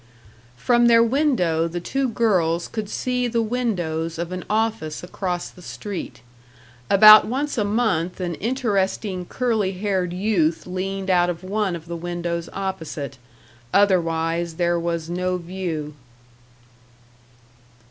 From their window the two girls could see the windows of an office across the street. About once a month an interesting curly haired youth leaned out of one of the windows opposite. Otherwise there was no view.